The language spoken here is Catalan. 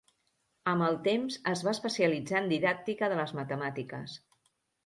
Amb el temps es va especialitzar en Didàctica de les Matemàtiques.